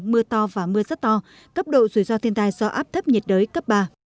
mưa to và mưa rất to cấp độ rủi ro thiên tai do áp thấp nhiệt đới cấp ba